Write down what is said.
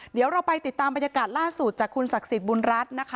เดี๋ยวเราไปติดตามบรรยากาศล่าสุดจากคุณศักดิ์สิทธิ์บุญรัฐนะคะ